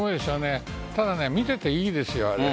ただ、見てていいですよあれ。